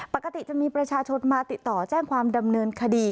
ปกติจะมีประชาชนมาติดต่อแจ้งความดำเนินคดี